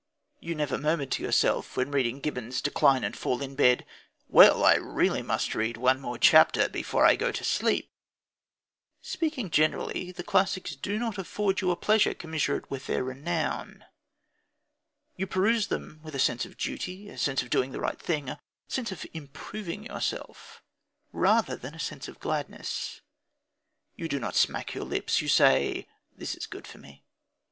You never murmured to yourself, when reading Gibbon's Decline and Fall in bed: "Well, I really must read one more chapter before I go to sleep!" Speaking generally, the classics do not afford you a pleasure commensurate with their renown. You peruse them with a sense of duty, a sense of doing the right thing, a sense of "improving yourself," rather than with a sense of gladness. You do not smack your lips; you say: "That is good for me."